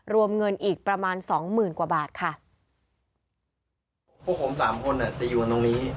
รวมเงินอีกประมาณสองหมื่นกว่าบาทค่ะพวกผมสามคนอ่ะจะอยู่กันตรงนี้